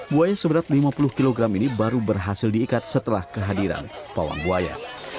buaya seberat lima puluh kg ini baru berhasil diikat setelah kehadiran pawang buaya